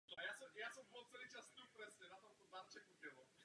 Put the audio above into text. Tato oprava se týkala omítky.